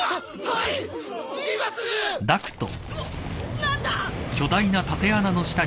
何だ！？